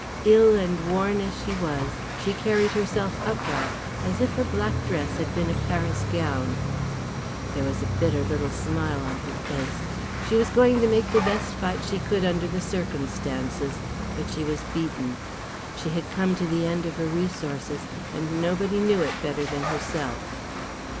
Ill and worn as she was she carried herself upright as if her black dress had been a Paris gown. There was a bitter little smile on her face. She was going to make the best fight she could under the circumstances, but she was beaten. She had come to the end of her resources, and nobody knew it better than herself.